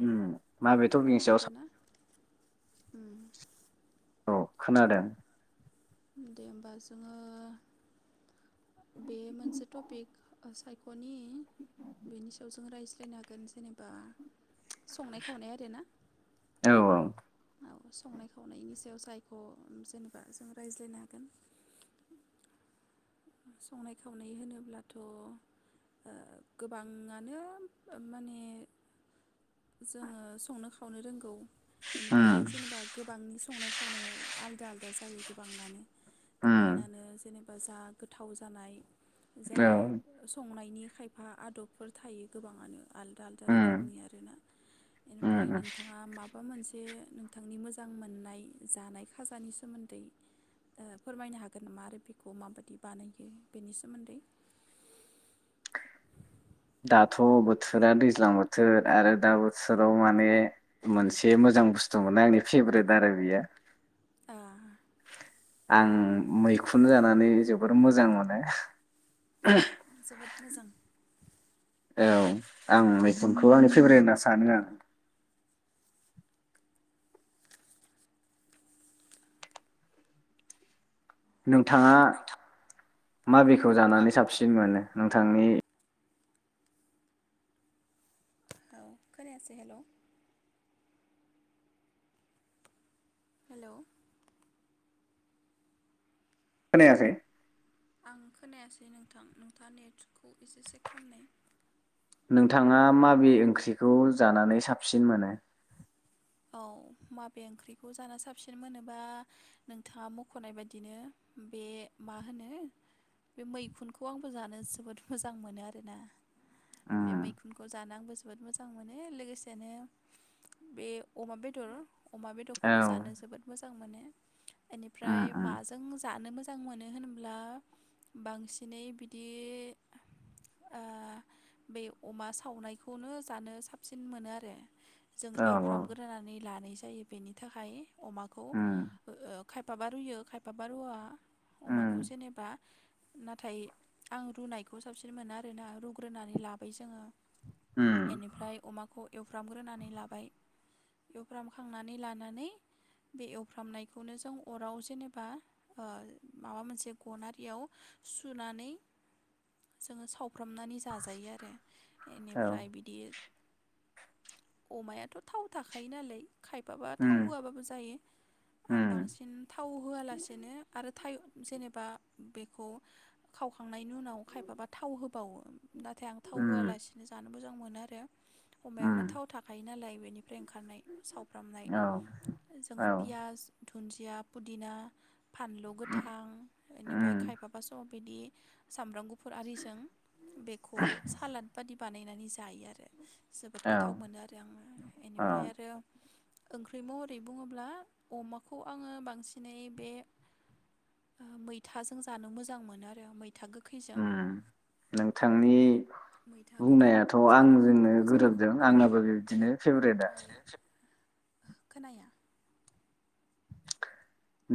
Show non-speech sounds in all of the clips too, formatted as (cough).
उम्म माबे तपिकनि सायाव साव उम्म औ खोनादों। दे होमबा जोंङो बे मोनसे टपिक ओ साय (unintelligible) नि बेनि सायाव जों रायज्लायनो हागोन जेनेबा संनाय खावनाय आरोना? औ औ औ संनाय खावनायनि सायाव जायख' जेनेबा जों रायज्लायनो हागोन। संनाय खावनाय होनोब्लाथ' ओ गोबाङानो माने जोंङो संनो खावनो रोंगौ। इनिफाय उम जेनेबा गोबांनि संनाय खावनाया आलदा आलदा जायो। गोबांनानो उम गोबांनानो जेनेब (unintelligible) गोथाव जानाय जा औ संनाय नि खायफा आदबफोर थायो गोबाङानो। आलदा आलदा उम रोखोमनि आरोना एनिफ्राय उम उम नोंथाङा माबा मोनसे जे नोंथांनि मोजां मोननाय जानाय खाजानि सोमोन्दै ओ फोरमायनो हागोन नामा आरो बेखौ माबादि बानायो बेनि सोमोन्दै? दाथ' बोथोरा दैज्लां बोथोर आरो दा बोथोराव माने मोनसे मोजां बुस्थु मोनो आंनि फेभरेट आरो बेयो। अ आं मैखुन जानानै जोबोर मोजां मोनो। माबा जोबोद मोजां। औ आं मैखुनखौ आंनि फेभरेट होनना सानो आं। नोंथाङा औ मा बेखौ जानानै साबसिन मोनो? नोंथांनि औ खोनायासै हेल' हेल' खोनायासै आं खोनायासै नोंथां नोंथाङा नेटखौ एसे चेक खालामनाय। नोंथाङा माबे ओंख्रिखौ जानानै साबसिन मोनो? औ माबे ओंख्रिखौ जाना साबसिन मोनोबा नोंथाङा मख'नाय बायदिनो बे मा होनो बे मैखुनखौ आंबो जानो जोबोद मोजां मोनो आरोना। बे उम मैखुनखौ जानो आंबो जों बोद मोजां मोनो लोगोसेनो बे अमा बेदर अमा औ बेदरखौबो जानो जोबोद मोजां मोनो। उम एनिफ्राय उम माजों जानो मो जां मोनो होनब्ला बांसिनै बिदि ओ बै अमा सावनायखौनो जानो साबसिन मोनो आरो। औ औ नानै लानाय जायो बेनि थाखाय अमाखौ उम ओ खायफाबा रुयो खायफाबा रुवा। अमाखौ उम जेनेबा नाथाय आं रुनायखौ साबसिन मोनो आरोना रुग्रोनानै लाबाय जोङो। उम एनिफ्राय अमाखौ एवफ्रामग्रोनानै लाबाय। एवफ्रामखांनानै लानानै बे एवफ्रामनायखौनो जों अराव जेनेबा ओ माबा मोनसे गनारियाव सुनानै जोङो साव वफ्रामनानै जाजायो आरो औ इनिफ्राय बिदि अमायाथ' थाव थाखायो नालाय खायफाबा थाव उम होआबाबो जायो। आं उम बांसिन थाव होआलासेनो आरो था जेनेबा बेखौ खावखांनायनि उनाव खायफाबा थाव होबावो। नाथाय आं थाव उम होआलासिनो जानो मोजां मोनो आरो। अमायावनो उम थाव थाखायो नालाय बेनि फ्राय ओंखारनाय सावफ्रामनाय औ जोङो औ पियास दुन्दिया, पुदिना, फानलु गोथां एनिफाय उम खायफाबा स' बिदि सामब्राम गु फुर आरिजों बेखौ सालाद बादि बानायनानै जायो आरो। जोबोद औ गोथाव मोनो आरो आङो इनि औ फ्राय आरो ओंख्रि महरै बुङोब्ला अमाखौ आङो बांसिनै बे ओ मैथाजों जानो मोजां मोनो आरो मैथा गो ओम नोंथांनि मैथा गोखै बुंनायाथ' जानो आंजोंनो बांसिन मोजां मोनो गोरोबदों बेखौ आंनाबो बिबदिनो फेभरेटआ। बेनिफ्राय खोनाया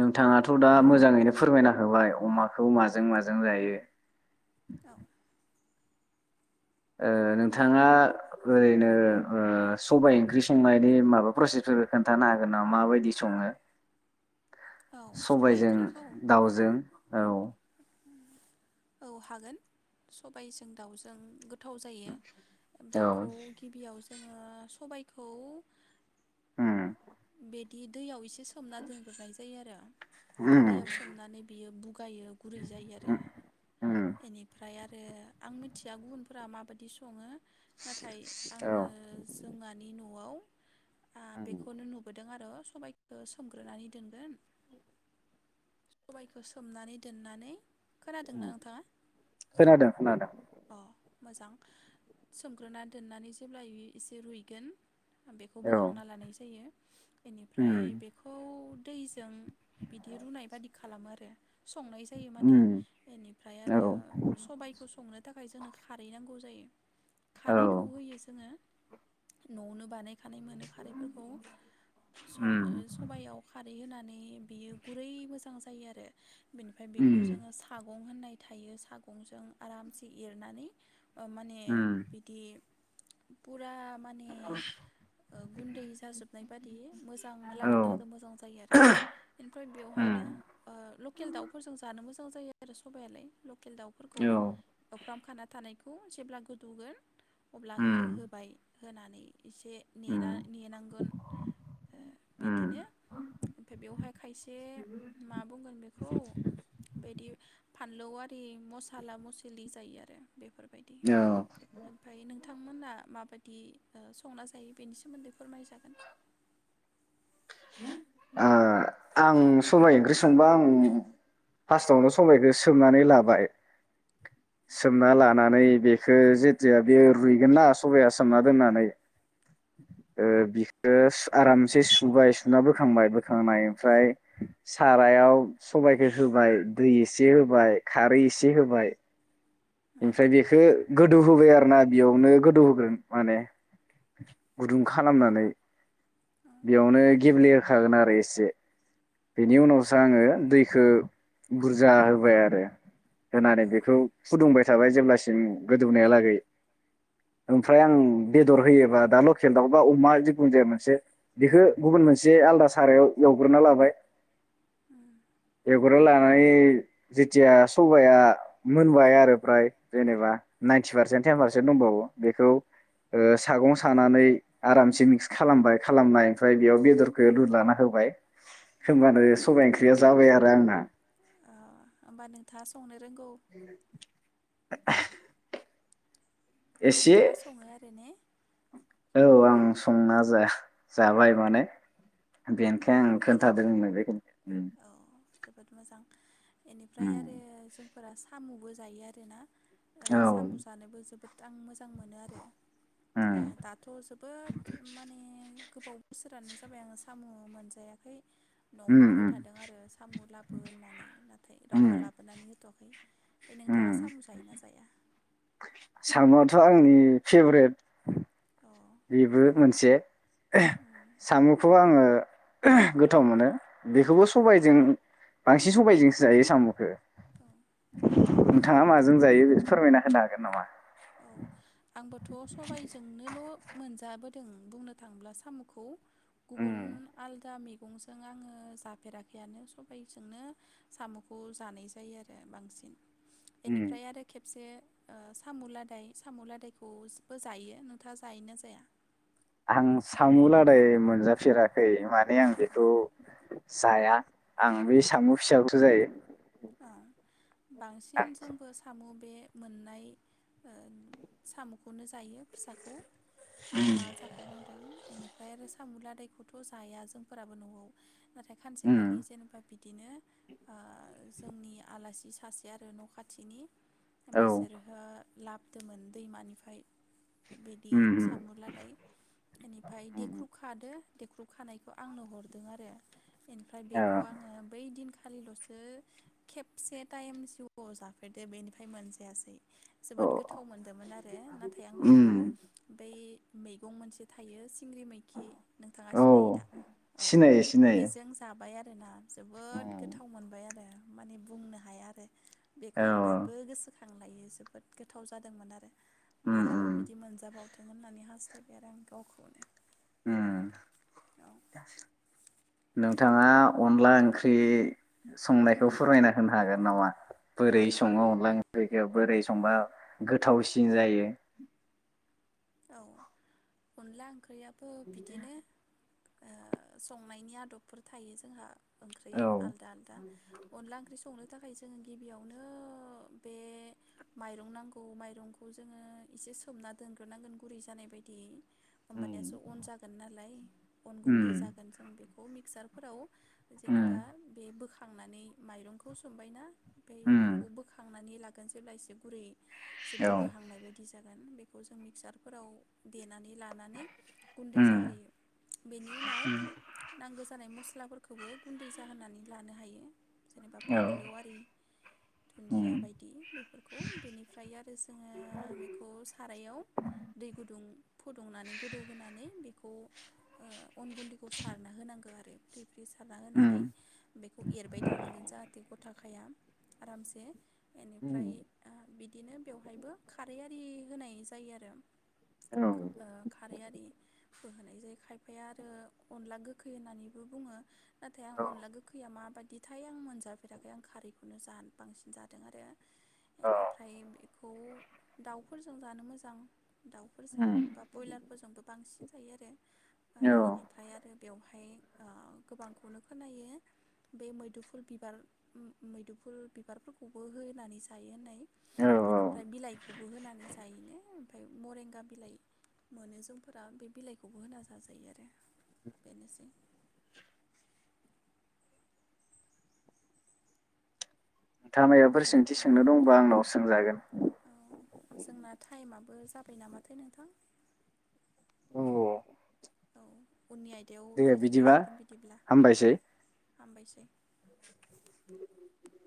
नोंथाङाथ' दा मोजाङैनो फोरमायना होबाय अमाखौ माजों माजों जायो। औ ओ नोंथाङा ओरैनो ओ सबाय ओंख्रि संनायनि माबा प्रसेसफोरखौ खोन्थानो हागोन नामा माबायदि सङो? औ सबाइ सबायजों ओंख्रिखौ दाउजों औ। औ हागोन सबायजों दाउजों गो थाव जायो औ बेखौ गिबियाव जोङो सबायखौ होम बिदि दैयाव इसे सोमना दोनग्रोनाय जायो आरो उम दैयाव सोमनानै बियो बु गायो गुरै जायो आरो उम इनिफ्राय आ जे आं मिथिया गुबुनफोरा माबायदि सङो नाथाय औ आङो जोंहानि न'आव बेखौनो (unintelligible) नुबोदों आरो सबायखो सोमग्रोनानै दोनगोन सबायखो सोमनानै दोननानै उम खोनादोंना नोंथाङा खोनादों खोनादों। अ मोजां सोमग्रोना दोननानै जेब्ला इ एसे रुइगोन बेखौ औ बोखांना लानाय जायो। इनिफ्राय उम बेखौ दैजों बिदि रुनाय बादि खालामो आरो। संनाय जायो माने उम इनिफ्राय औ आरो सबायखौ संनो थाखाय जोंनो खारै नांगौ जायो। औ खारैखौ होयो जोङो न'आवनो बानाय खानाय मोनो खारै फोरखौ सं उम ओ सबायाव खारै होनानै बियो गुरै मोजां जा जायो आरो बेनिफाय बेखौ उम जोङो सागं होननाय यै थायो सागंजों आराम से एरनानै ओ माने उम बिदि रा माने ओ गुन्दै जाजोबनाय बादि मोजां औ लाथो लाथो मोजां जायो आरो। ओनफ्राय उम बेवहायनो ओ लकेल दाउफोरजों जानो मोजां गोथाव जायो आरो सबायालाय। लकेल दाउफोरखौ औ एवफ्राम खाना थानायखौ जेब्ला गोदौगोन अब्ला उम हो-होबाय होनानै इसे नेना उम नेनांगोन ओ उम बिदिनो ओमफाय बेवहाय खायसे मा बुंगोन बेखौ बेदि फा लोवाद बे मसाला मस जायो आरो बेफोर औ नोंथांमोना माबायदि ओ संना जायो बेनि सोमोन्दै फोरमायजागोन। ओ आं सबाइ ओंख्रि संबा आं फार्स्टावनो सबाइखौ सोमनानै लाबाय। सोमना लानानै बेखौ जेथिया बेयो रुयगोनना सबाइया सोमना दोननानै ओ बिखो आरामसे सुबाय सु ना बोखांबाय बोखांनाय ओमफ्राय सारायाव सबाइखौ होबाय दै एसे होबाय खारै एसे होबाय औ ओमफ्राय बेखो गोदौ होबाय आरोना बेयावनो गोदौहोग्रोन माने गुदुं खालामनानै औ बेयावनो गेब्लेहोखागोन आरो एसे बेनि उनावसो आङो दैखो बुरजा होबाय आरो होनानै औ बेखौ फुदुंबाय थाबाय जेब्लासिम गोदौनायालागै। ओमफ्राय आं बेदर होयोबा दा लकेल दाउ बा अमा जिखुनु जाया मोनसे बेखो गुबुन मोनसे आलादा सारायाव एवग्रोना लाबाय। उम एवगोर लानानै जेथिया सबाइया मो न होबाय आरो फ्राय जेनेबा नाइनटि पारसेन्ट टेन पारसेन्ट दंबावो बेखौ ओ सागं सानानै आरामसे मिक्स खालामबाय खालामनाय ओमफ्राय बेयाव बेदरखौ लुलाना होबाय होमबानो सबाइ ओंख्रिया जाबाय आरो आंना। ओ होमबा नोंथाङा संनो रोंगौ। (inaudible) एसे नोंथाङा सङो आरो ने? औ आं संना जा जाबाय माने। औ बेनिखायनो आं मोजां खोनथादों बेखिनिखो उम। इनिफ्राय उम आरो जों फोरा सामुबो जायो आरो ना? ओ औ साम जानोबो जोबोद आं मोजां मोनो आरो आ उम दाथ जोबोद थो माने। गोबाव बोसोरानो जाबाय आङो। खाम मोनजायाखै। नवाव उम बुंबाय उम थादों आरो साम लाबो होननानै नाथाय रावबो उम लाबोनानै होथवा। ओमफाय नोंथाङा साम जायोना जाया? सामुआथ' आंनि फेभवराइत। अ बेबो मोनसे। ओ उम सामुखौ आंङो। ओ गोथाव मोनो। बेखौबो औ सबायजों। बांसिन सबायजोंसो जायो सामुखो। (inaudible) नोंथाङा माजों जायो बेखौ फोरमायना होनो हागोन नामा। औ आंबोथ' सबायजोंनोल' मोनजाबोदों बुंनो थांङोब्ला सामुखौ। गुबुन उम आलदा मे मेगंजों आंङो जाफेराखैआनो सबायजोंनो साम'खौ जानाय जायो आरो बांसिन। उम बेनिफ्राय आरो खेबसे। ओ सामुला दाय सामुलादायखौबो जायो नोंथाङा जायोना जाया। आं सामुलादाय मोनजाफेराखै माने आं औ बेखौ जाया आं बे सामु फिसाखौसो जायो। औ बांसिन आं जोंबो सामु बे मोननाय ओ सामुखौनो जायो फिसाखौ। उम नोंथाङा जाखौ बुंदों बेनि फ्राय आरो सामुलादायखौथ' जाया जोंफोराबो न'आव। नाथाय उम खानसेखालि जेनेबा। बिदिनो ओ। जोंनि आलासि सासे आरो न'खाथिनि। औ बिसोरहो। लाबदोंमोन दैमानिफ्राय। बिदि उम उम सामुलादाय बेनिफ्राय उम देख्रुब खादो। देख्रुब खानायखौ आंनो हरदों आरो। बेनिफ्राय औ बेखौ आंङो बै दिनखा खालिल'सो। खेबसे टाइम जिआव जाफेरदो बेनिफ्राय मोनजायासै। औ जोबोद गोथाव मोनदोंमोन आरो नाथाय आं उम बेखौ बै, मैगं मोनसे थायो। सिंग्रि मैखि नोंथाङा औ सिनायो दा औ सिनायो सिनायो बेजों जाबाय आरो ना जोबोद उम गोथाव मोनबाय आरो। माने बुंनो हाया आरो बेखौ औ आं दाबो गोसोखां खांलायो जोबोद गोथाव जादोंमोन आरो उम मालाबा उम बिदि मोनजाबाव थों होननानै हास्थायबाय आरो आं गावखौनो, ओम औ नोंथाङा अनला ओंख्रि संनायखौ फोरायना होनो हागोन नामा? बोरै सङो अनला ओंख्रिखौ बोरै संबा गोथावसिन जायो। औ अनला ओंख्रैया बो बिदिनो ओ संनायनि आदबफोर थायो जोंहा, ओंख्रै औ। आलदा आलदा अनला ओंख्रै संनो थाखाय जोङो गिबियावनो बे माइरं नांगौ माइरंखौ जोङो एसे सोमना दोन नांगोन गुरै जानाय बायदि, होमबानियासो उम अन जागोन नालाय अन गुन्दै उम जागोन जों बे बेखौ मिक्सारफोराव, जेनेबा उम बे बोखां खांनानै माइरंखौ सोमबाय ना? ओमफाय बेखौ बोखांनानै ला खनसे लासेब गुरै एसे औ बुगाहांनाय बायदि जागोन बेखौ मिक्सारफोराव दे नानै लानानै गुन्दै उम जाहोयो बेनि उनाव नांगोन जानाय मस गस्लाफोरखौबो गुन्दै जाहोनानै लानो हायो। जेनेबा औ फानलौ आरि उम धुन्दिया बायदि बेफोरखौ बेनिफ्राय आरो जोङो बेखौ सारायाव, दै गुदुं फुदुंनानै गोदौ होनानै, बेखौ ओ अन गुन्दैखौ सारना होनांगो आरो बियो सारना उम होनानै बेखौ एरबाय थानांगोन जाहाथे गथा खाया, आरामसे बेनिफ्राय ओ बिदिनो बेवहायबो खारै आरि होनाय जा जायो आरो औ खारै आरि बो होनाय जायो खायफाया आरो अनला गोखै होननानैबो बुङो। नाथाय आं औ अनला गोखैया मा बा बिदिथाय आं मोनजाफेराखै आं खारैखौनो जा बांसिन जादों आरो। एनिफ्राय बे खौऔ दाउफोरजों जानो मोजां जां दाउफोरजों उम बा ब्रयलारफोरजोंबो बांसिन यो आरो ओ औ इनिफाय आरो बेवहाय ओ गोबांखौनो खोनायो बे मैदुफुल बिबार मैदुफुल बिबारफोरखौबो होनानै जायो होननाय। औ औ ओनिफ्राय बिलाइखौबो होनानै जायनो। ओमफफ्राय मरेंगा बिलाइ मोनो जोंफोरा बे बिलाइखौबो होना जाजायो आरो बेनोसै। नोंथाङा मायबाफोर सोंथि अब्लाथ' सोंनो दंबा नोंथां आंनाव सोंजागोन। ओ जोंना टाइमाब बो जाबाय नामाथाय नोंथां? औ औ उननि आयदायाव दे बिदिबा रायज्लायलायसिगोन बिदिब्ला औ। हामबायसै। हामबायसै (unintelligible)